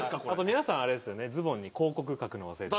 皆さんあれですよねズボンに広告描くの忘れてる。